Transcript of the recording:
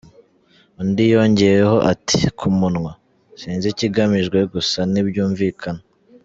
" Undi yongeyeho ati "Ku munwa? Sinzi ikigamijwe gusa ntibyumvikana.